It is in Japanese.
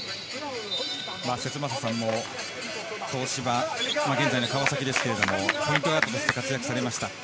節政さんも東芝、現在の川崎ですが、ポイントガードとして活躍されました。